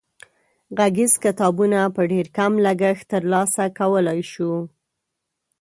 غږیز کتابونه په ډېر کم لګښت تر لاسه کولای شو.